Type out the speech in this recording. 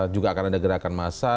juga akan ada gerakan massa